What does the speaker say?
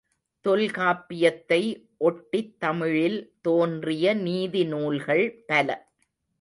தொல்காப்பியத்தை ஒட்டித் தமிழில் தோன்றிய நீதிநூல்கள் பல.